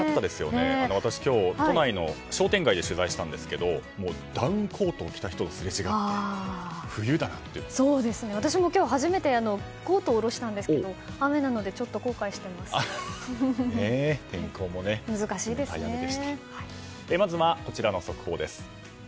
私今日、都内の商店街で取材したんですけどダウンコートを着た人とすれ違って私も初めてコートを下ろしたんですけど雨なのでまずはこちらの速報です。